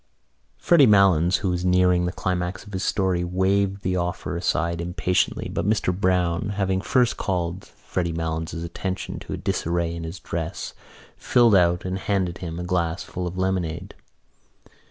Freddy Malins, who was nearing the climax of his story, waved the offer aside impatiently but Mr Browne, having first called Freddy Malins' attention to a disarray in his dress, filled out and handed him a full glass of lemonade.